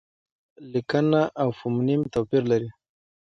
لیکنه او فونېم توپیر لري.